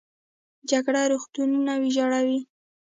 جګړه روغتونونه ویجاړوي